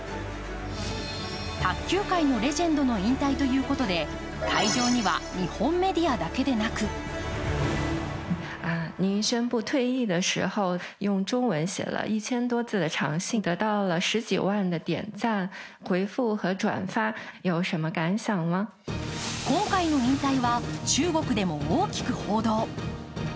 卓球界のレジェンドの引退ということで会場には日本メディアだけでなく今回の引退は中国でも大きく報道。